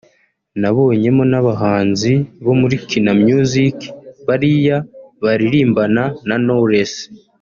nabonyemo n’abahanzi bo muri Kina Music bariya baririmbana na Knowless